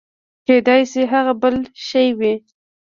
کېداى سي هغه بل شى وي.